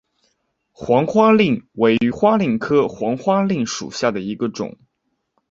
黄花蔺为花蔺科黄花蔺属下的一个种。